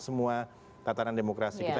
semua tatanan demokrasi kita